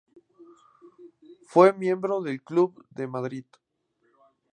Fue miembro del Club de Madrid.